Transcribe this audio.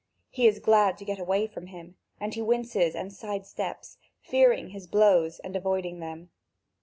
He is glad to get away from him, and he winces and sidesteps, fearing his blows and avoiding them.